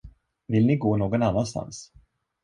Vill ni gå någon annanstans?